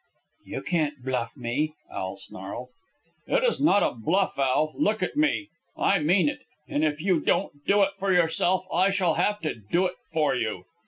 "You can't bluff me," Al snarled. "It is not a bluff, Al. Look at me. I mean it. And if you don't do it for yourself, I shall have to do it for you."